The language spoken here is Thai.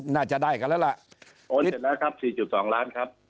น่าจะได้กันแล้วล่ะโอนเสร็จแล้วครับ๔๒ล้านครับ